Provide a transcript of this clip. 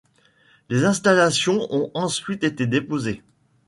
Les installations ont ensuite été déposées.